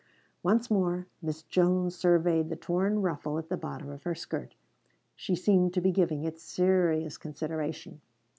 Once more Miss Jones surveyed the torn ruffle at the bottom of her skirt. She seemed to be giving it serious consideration.